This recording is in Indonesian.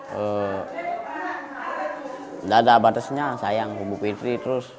tidak ada batasnya sayang sama bu fitri